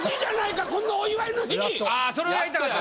それをやりたかった。